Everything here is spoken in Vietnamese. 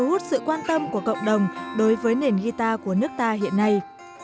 ving fingerstyle tạo ra sự quan tâm của cộng đồng đối với nền guitar của nước ta hiện nay